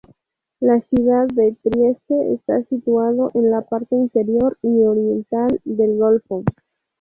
La ciudad de Trieste está situado en la parte interior y oriental del golfo.